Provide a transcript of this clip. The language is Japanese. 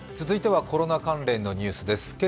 続いてはコロナ関連のニュースです。